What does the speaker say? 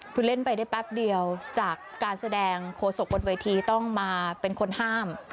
คือเล่นไปได้แป๊บเดียวจากการแสดงโคศกบนเวทีต้องมาเป็นคนห้าม